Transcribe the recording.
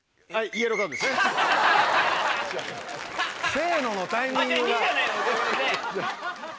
せの！のタイミング。